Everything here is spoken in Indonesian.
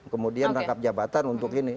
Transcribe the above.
kemudian rangkap jabatan untuk ini